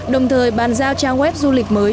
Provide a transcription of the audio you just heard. đồng thời bàn giao trang web du lịch mới